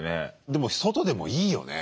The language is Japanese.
でも外でもいいよね。